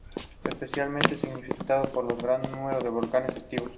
Mientras tanto, la banda seguía grabando demos y haciendo "covers" para mantenerse activos.